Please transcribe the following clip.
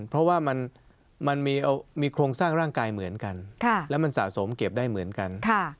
เพราะว่ามันมีโครงสร้างร่างกายเหมือนกันแล้วมันสะสมเก็บได้เหมือนกัน